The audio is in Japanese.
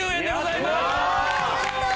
やったー！